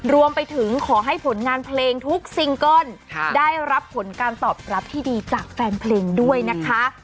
รวมไปถึงขอให้ผลงานเพลงทุกซิงเกิ้ลได้รับผลการตอบรับที่ดีจากแฟนเพลงด้วยนะคะ